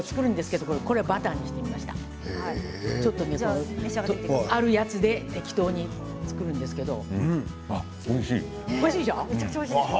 ちょっとあるやつで適当に作るんですけど。